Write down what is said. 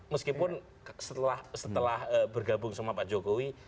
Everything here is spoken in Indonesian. meskipun setelah bergabung sama pak jokowi